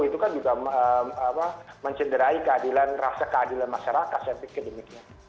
itu kan juga mencederai keadilan rasa keadilan masyarakat saya pikir demikian